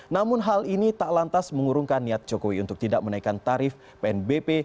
namun hal ini tak lantas mengurungkan niat jokowi untuk tidak menaikkan tarif pnbp